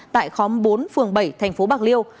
tại khóm bốn phường bảy tp bạc liêu